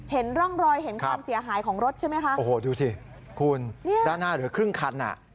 เห็นร่องรอยเห็นความเสียหายของรถใช่ไหมคะโอ้โหดูสิคุณนี่ด้านหน้าเหลือครึ่งคันอ่ะ